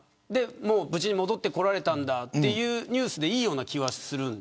無事に戻ってこられたんだというニュースでいい気がする。